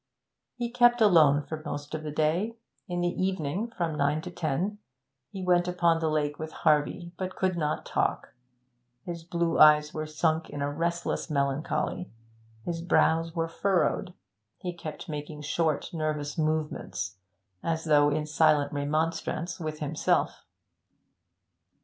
He kept alone for most of the day. In the evening, from nine to ten, he went upon the lake with Harvey, but could not talk; his blue eyes were sunk in a restless melancholy, his brows were furrowed, he kept making short, nervous movements, as though in silent remonstrance with himself.